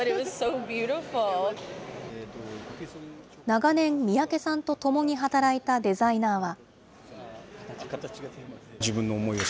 長年、三宅さんと共に働いたデザイナーは。